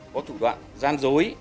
có thủ đoạn gian dối